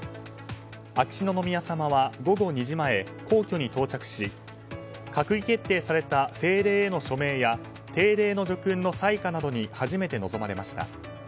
秋篠宮さまは午後２時前皇居に到着し閣議決定された政令への署名や定例の叙勲の裁可などに初めて臨まれました。